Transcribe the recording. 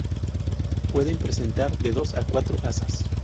Pueden presentar de dos a cuatro asas.